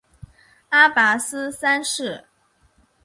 阿拔斯三世。